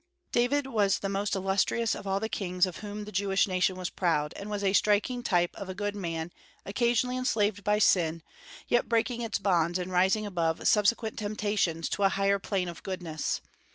David was the most illustrious of all the kings of whom the Jewish nation was proud, and was a striking type of a good man occasionally enslaved by sin, yet breaking its bonds and rising above subsequent temptations to a higher plane of goodness.